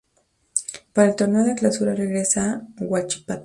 Para el torneo de clausura regresa a Huachipato